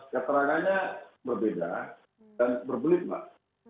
keterangannya berbeda dan berbelit mbak